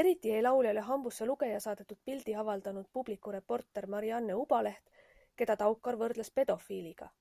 Eriti jäi lauljale hambusse lugeja saadetud pildi avaldanud Publiku reporter Marianne Ubaleht, keda Taukar võrdles pedofiiliga.